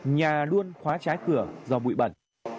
nhà luôn khóa trái cửa do bụi bẩn